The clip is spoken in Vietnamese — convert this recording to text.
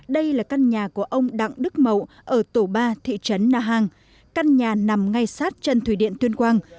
đây là căn nhà của ông đặng đức mậu ở tổ ba thị trấn na hàng căn nhà nằm ngay sát chân thủy điện tuyên quang